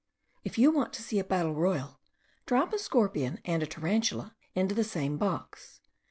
If you want to see a battle royal, drop a scorpion and a tarantula into the same box.